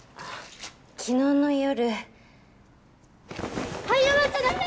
昨日の夜早まっちゃダメ！